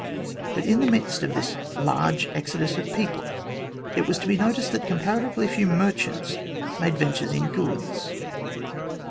But in the midst of this large exodus of people it was to be noticed that comparatively few merchants made ventures in goods.